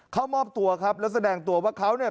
เข้ามอบตัวครับแล้วแสดงตัวว่าเขาเนี่ย